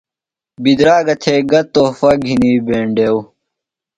بِدراگہ تھےۡ گہ تحفہ گِھنیۡ بینڈیوۡ۔